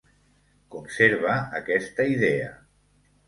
Conserva aquesta idea.